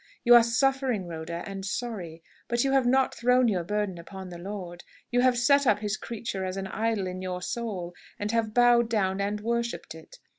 You are suffering, Rhoda, and sorry; but you have not thrown your burden upon the Lord. You have set up His creature as an idol in your soul, and have bowed down and worshipped it.